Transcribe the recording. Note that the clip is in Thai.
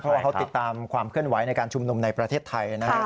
เพราะว่าเขาติดตามความเคลื่อนไหวในการชุมนุมในประเทศไทยนะครับ